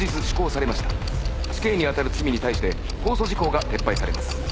死刑に当たる罪に対して公訴時効が撤廃されます